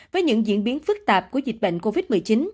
với những diễn biến phức tạp của dịch bệnh covid một mươi chín